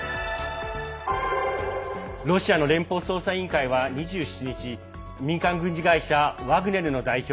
ロシアの連邦捜査委員会は２７日民間軍事会社ワグネルの代表